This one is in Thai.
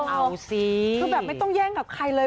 เอาสิคือแบบไม่ต้องแย่งกับใครเลย